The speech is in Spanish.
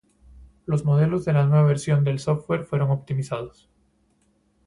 Los modelos de la nueva versión del software fueron optimizados